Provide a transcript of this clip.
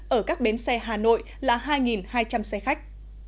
ở các bến xe hà nội là hai hai trăm linh xe khách